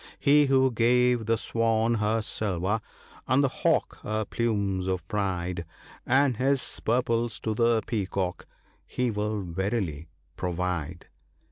He who gave the swan her silver, and the hawk her plumes of pride, And his purples to the peacock — He will verily provide."